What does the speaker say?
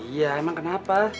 iya emang kenapa